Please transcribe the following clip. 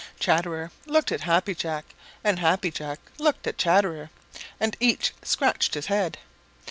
Chatterer looked at Happy Jack, and Happy Jack looked at Chatterer, and each scratched his head.